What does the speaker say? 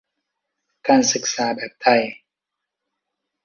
การศึกษาแบบไทย